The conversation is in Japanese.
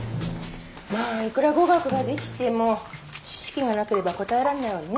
まあいくら語学ができても知識がなければ答えられないわね。